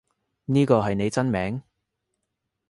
呢個係你真名？